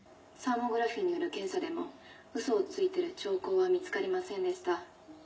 サーモグラフィーによる検査でもウソをついてる兆候は見つかりませんでした。